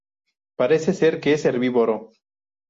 Parece ser que es herbívoro.